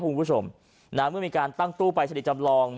คุณผู้ชมนะเมื่อมีการตั้งตู้ปรายศนีย์จำลอง